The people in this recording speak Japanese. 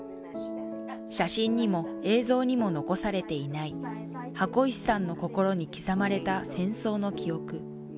写真にも映像にも残されていない箱石さんの心に刻まれた戦争の記憶。